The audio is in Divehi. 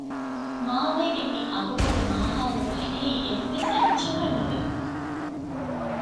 މާލޭގެ މި އަގުބޮޑު މާޚައުލުގައި އެއީ އެއްވެސް އެއްޗަކަށް ނުވެ